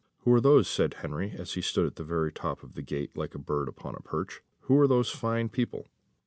"Who are those?" said Henry, as he stood at the very top of the gate, like a bird upon a perch, "who are those fine people?"